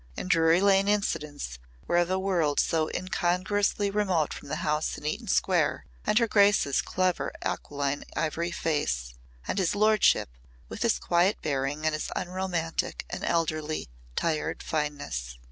And Drury Lane incidents were of a world so incongruously remote from the house in Eaton Square and her grace's clever aquiline ivory face and his lordship with his quiet bearing and his unromantic and elderly, tired fineness.